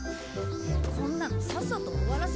こんなのさっさと終わらせて。